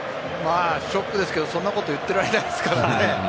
ショックですけどそんなこと言ってられないですからね。